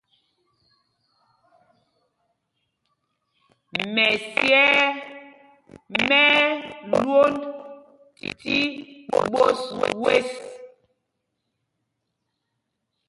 Mɛsyɛɛ mɛ́ ɛ́ lwōnd tí ɓos wes.